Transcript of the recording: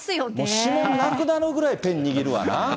指紋なくなるぐらいペン握るわな。